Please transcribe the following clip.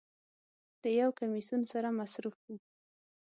د یو کمیسون سره مصروف و.